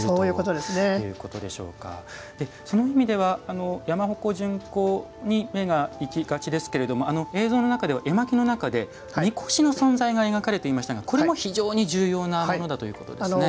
そういう意味では山鉾巡行に目がいきがちですけれども映像の中では絵巻の中で神輿の存在が描かれていましたが重要なものだということですね。